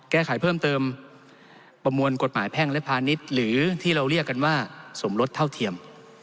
แก้ไขเพิ่มเติมประมวลกฎหมายแพ่งและพาณิชย์หรือที่เราเรียกกันว่าสมรสเท่าเทียม